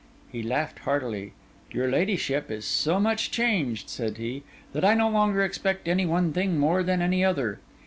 He laughed heartily. 'Your ladyship is so much changed,' said he, 'that I no longer expect any one thing more than any other.